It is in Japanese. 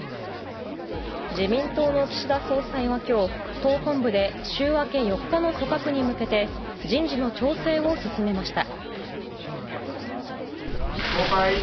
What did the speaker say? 自民党の岸田総裁は今日党本部で週明け４日の組閣に向けて人事の調整を進めました。